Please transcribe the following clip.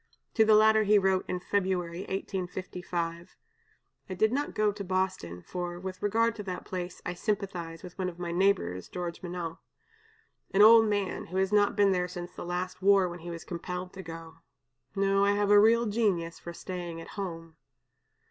To the latter he wrote in February, 1855: "I did not go to Boston, for, with regard to that place I sympathize with one of my neighbors (George Minott), an old man, who has not been there since the last war, when he was compelled to go. No, I have a real genius for staying at home."